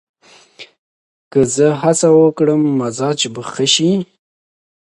که زه هڅه وکړم، مزاج به ښه شي.